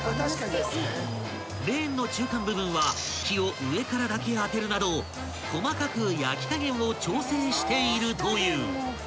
［レーンの中間部分は火を上からだけ当てるなど細かく焼き加減を調整しているという］